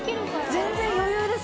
全然余裕ですね。